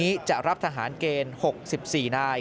ดอนเมืองในวันนี้จะรับทหารเกณฑ์๖๔นาย